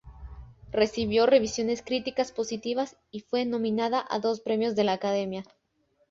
Recibió revisiones críticas positivas y fue nominada a dos Premios de la Academia.